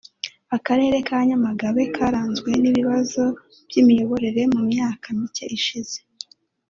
Akarere ka Nyamagabe karanzwe n’ibibazo by’imiyoborere mu myaka mike ishize